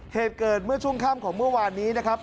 เหตุเกิดเมื่อช่วงค่ำของเมื่อวานนี้นะครับ